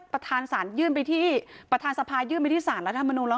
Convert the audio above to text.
ประธานสารยื่นไปที่ประธานสภายื่นไปที่สารรัฐมนุนแล้ว